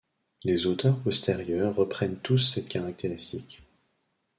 Les auteurs postérieurs reprennent tous cette caractéristique.